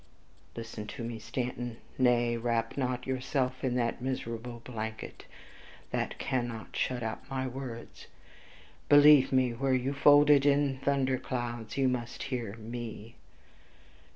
Listen to me, Stanton; nay, wrap not yourself in that miserable blanket, that cannot shut out my words. Believe me, were you folded in thunder clouds, you must hear ME!